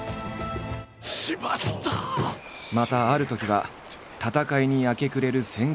またあるときは戦いに明け暮れる戦国武将。